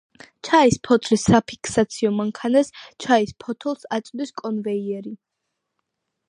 ჩაის ფოთლის საფიქსაციო მანქანას ჩაის ფოთოლს აწვდის კონვეიერი.